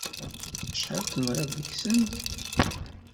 Acḥal tenɣiḍ seg-sen?